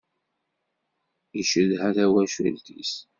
Icedha tawacult-is.